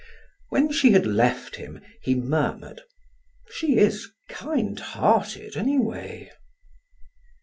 When she had left him, he murmured: "She is kind hearted, anyway."